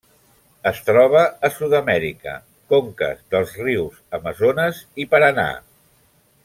Es troba a Sud-amèrica: conques dels rius Amazones i Paranà.